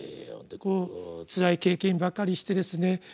つらい経験ばかりしてですね